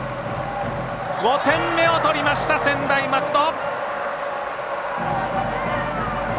５点目を取りました、専大松戸。